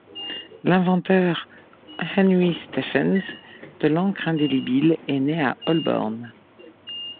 L'inventeur Henry Stephens de l'encre indélibile est né à Holborn.